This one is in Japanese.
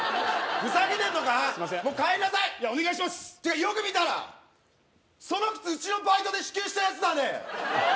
ふざけてんのかもう帰りなさいいやお願いしますてかよく見たらその靴うちのバイトで支給したやつだね